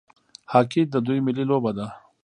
هاکي د دوی ملي لوبه ده.